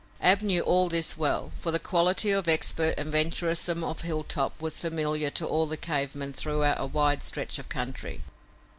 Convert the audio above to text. Ab knew all this well, for the quality of expert and venturesome old Hilltop was familiar to all the cave men throughout a wide stretch of country.